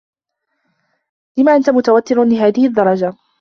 لم أنت متوتّر لهذه الدّرجة؟